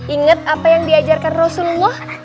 ingat apa yang diajarkan rasulullah